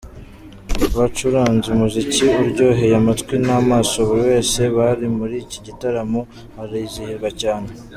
Bacuranze umuziki uryoheye amatwi n'amaso buri wese wari muri iki gitaramo arizihirwa cyane.